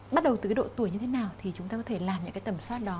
bắt đầu từ độ tuổi như thế nào thì chúng ta có thể làm những tẩm soát đó